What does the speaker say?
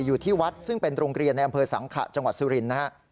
อยู่ที่วัดซึ่งเป็นโรงเรียนในอำเภอสังขะจังหวัดสุรินทร์นะฮะ